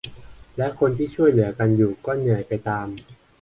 และคนที่ช่วยเหลือกันอยู่ก็เหนื่อยไปตาม